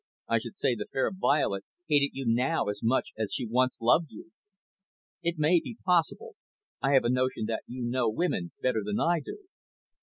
I should say the fair Violet hated you now as much as she once loved you." "It may be possible. I have a notion that you know women better than I do."